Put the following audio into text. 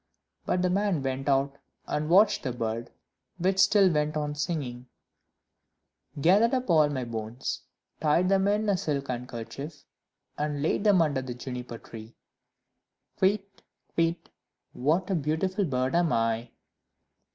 But the man went out and watched the bird, which still went on singing "Gathered up all my bones, Tied them in a silk handkerchief, And laid them under the Juniper tree: Kywitt! Kywitt! what a beautiful bird am I!"